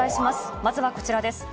まずはこちらです。